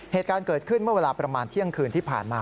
เหตุการณ์เกิดขึ้นเมื่อเวลาประมาณเที่ยงคืนที่ผ่านมา